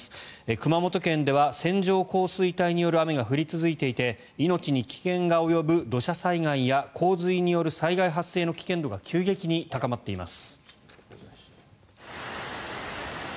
熊本県では線状降水帯による雨が降り続いていて命に危険が及ぶ土砂災害や洪水による災害発生の危険度が急激に高まっています。